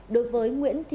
đối với nguyễn thị